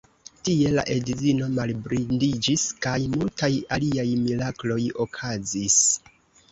Tie la edzino malblindiĝis kaj multaj aliaj mirakloj okazis.